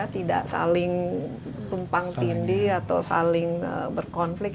tidak saling tumpang tindih atau saling berkonflik